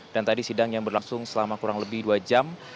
dan tadi sidang yang berlangsung selama kurang lebih dua jam